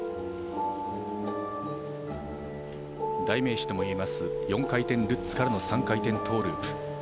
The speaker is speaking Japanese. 代名詞ともいえます、４回転ルッツからの３回転トウループ。